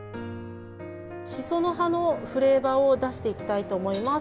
しその葉のフレーバーを出していきたいと思います。